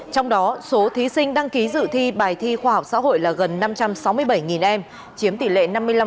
trong đó số thí sinh đăng ký dự thi bài thi khoa học xã hội là gần năm trăm sáu mươi bảy em chiếm tỷ lệ năm mươi năm